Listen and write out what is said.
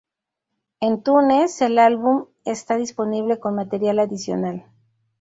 En iTunes el álbum está disponible con material adicional.